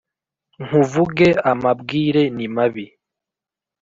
nkuvuge amabwire ni mabi